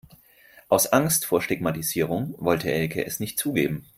Aus Angst vor Stigmatisierung wollte Elke es nicht zugeben.